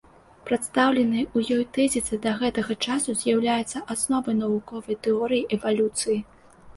Прадстаўленыя ў ёй тэзісы да гэтага часу з'яўляюцца асновай навуковай тэорыі эвалюцыі.